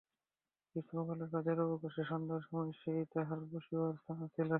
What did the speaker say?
গ্রীষ্মকালে কাজের অবকাশে সন্ধ্যার সময় সেই তাঁহার বসিবার স্থান ছিল।